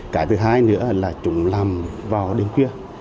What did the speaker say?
cái thứ hai nữa là chúng làm vào đêm khuya